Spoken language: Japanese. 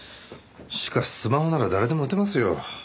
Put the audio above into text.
しかしスマホなら誰でも打てますよ。